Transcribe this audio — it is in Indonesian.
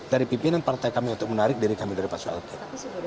dari pimpinan partai kami untuk menarik diri kami dari pak sualte